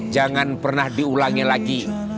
jangan pernah diulangi lagi